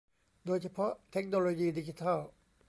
โดยเฉพาะเทคโนโลยีดิจิทัล